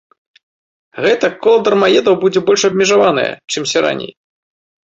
Гэтак кола дармаедаў будзе больш абмежаванае, чымся раней.